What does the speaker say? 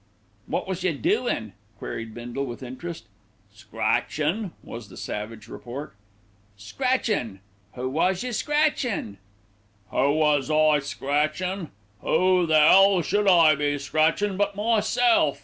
"Wot was you doin'?" queried Bindle with interest. "Scratchin'!" was the savage retort. "Scratchin'! Who was you scratchin'?" "Who was I scratchin'? Who the 'ell should I be scratchin' but myself?"